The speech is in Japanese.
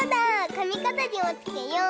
かみかざりもつけよう。